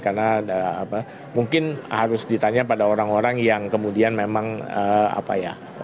karena mungkin harus ditanya pada orang orang yang kemudian memang apa ya